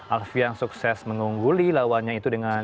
alvian sukses mengungguli lawannya itu dengan lima